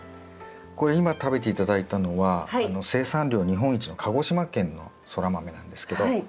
これ今食べて頂いたのは生産量日本一の鹿児島県のソラマメなんですけど。